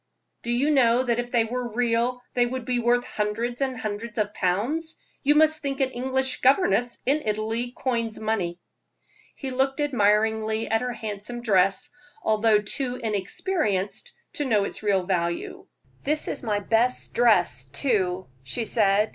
"Do you know that if they were real they would be worth hundreds and hundreds of pounds? You must think an English governess in Italy coins money." He looked admiringly at her handsome dress, although too inexperienced to know its real value. "This is my best dress, too," she said.